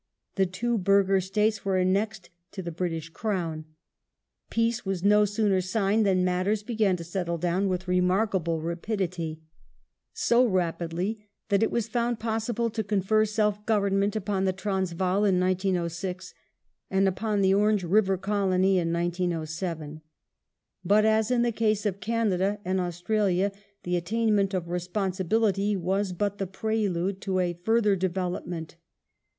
The two Burgher g^Jj^^ ° States were annexed to the British Crown. Peace was no sooner Africa signed than matters began to settle down with remarkable rapidity, so rapidly that it was found possible to confer self government upon the Transvaal in 1906, and upon the Orange River Colony in 1907. But, as in the case of Canada and Australia, the attainment of "responsibility" was but the prelude to a further development.